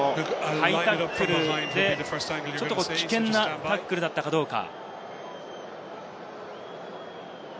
ハイタックルで危険なタックルだったかどうか。